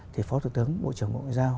thì phó thủ tướng bộ trưởng bộ ngoại giao